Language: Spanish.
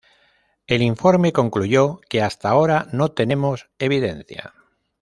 El informe concluyó que "hasta ahora no tenemos evidencia".